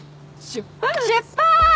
出発！